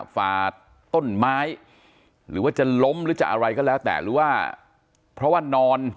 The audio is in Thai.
ฝาดต้นไม้หรือว่าจะล้มหรือจะอะไรก็แล้วแต่หรือว่าเพราะว่านอน